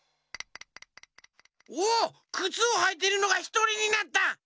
おっくつをはいてるのがひとりになった！